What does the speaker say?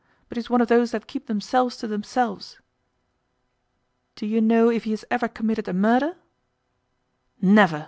But he's one of those that keep themselves to themselves.' 'Do you know if he has ever committed a murder?' 'Never!